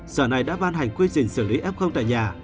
sở này đã ban hành quy trình xử lý f tại nhà